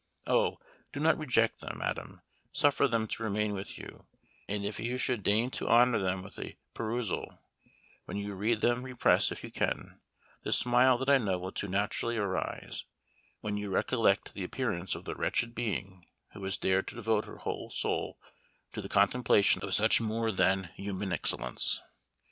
Oh! do not reject them, madam; suffer them to remain with you, and if you should deign to honor them with a perusal, when you read them repress, if you can, the smile that I know will too naturally arise, when you recollect the appearance of the wretched being who has dared to devote her whole soul to the contemplation of such more than human excellence.